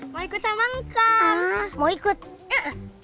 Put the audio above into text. mana ke samantha anyway buatan